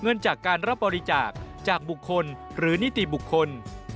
เงินจากการรับบริจาคจากบุคคลหรือนิติบุคคล